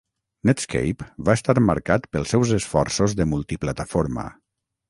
Netscape va estat marcat pels seus esforços de multi-plataforma.